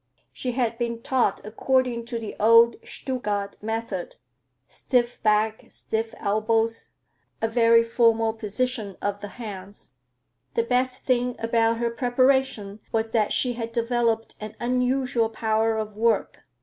She had been taught according to the old Stuttgart method; stiff back, stiff elbows, a very formal position of the hands. The best thing about her preparation was that she had developed an unusual power of work.